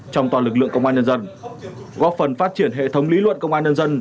trong toàn lực lượng công an nhân dân góp phần phát triển hệ thống lý luận công an nhân dân